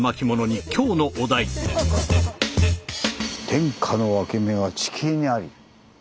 「天下の分け目は地形にあり⁉」。